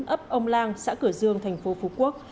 ấp ông lang xã cửa dương thành phố phú quốc